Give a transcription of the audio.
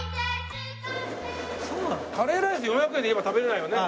カレーライス４００円で今食べられないよね。